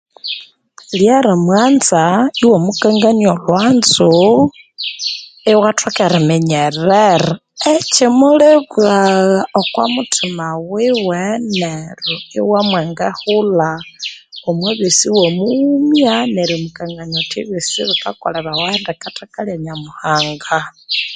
Lyerimwanza, iwamukangania olhwanzu, iwathoka eriminyerera ekyimuli bwagha okwa muthima wiwe neryo iwa mwengehulha, omwa byosi iwa mughumya nerimukangania wuthi ebyosi bikakolerawa omwa ndekatheka lya Nyamuhanga.